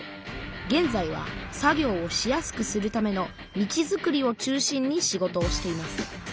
げんざいは作業をしやすくするための道づくりを中心に仕事をしています。